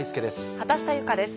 畑下由佳です。